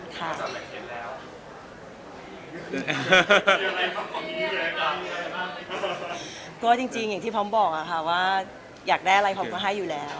คุณพร้อมว่าเซอร์ไพรส์แหวนเม็ดคือตอนที่พร้อมคุกเขาขอแต่งงานที่อิตาลีตอนที่ไปเที่ยว